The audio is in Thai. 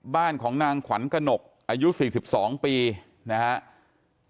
บ้านของนางขวัญกระหนกอายุ๔๒ปีนะครับ